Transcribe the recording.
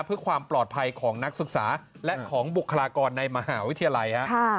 เพื่อความปลอดภัยของนักศึกษาและของบุคลากรในมหาวิทยาลัย